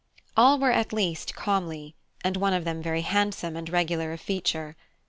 All were at least comely, and one of them very handsome and regular of feature.